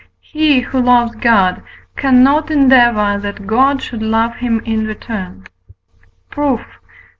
He, who loves God, cannot endeavour that God should love him in return. Proof.